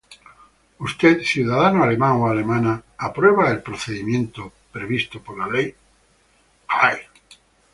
Usted, ciudadano alemán o alemana, ¿aprueba el procedimiento previsto por la Ley?